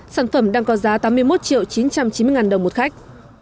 sản phẩm đang có giá tám mươi một triệu chín trăm chín mươi đồng một khách